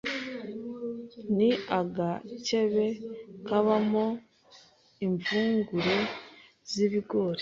ni agakebe kabamo imvungure z’ibigori